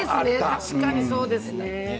確かにそうですね。